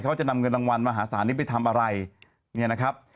เขาจะนำเงินรางวัลมหาศาลนี้ไปทำอะไรเนี่ยนะครับ